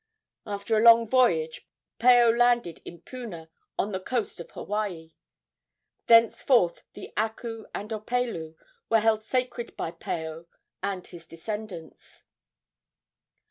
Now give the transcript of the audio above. After a long voyage Paao landed in Puna, on the coast of Hawaii. Thenceforth the aku and opelu were held sacred by Paao and his descendants.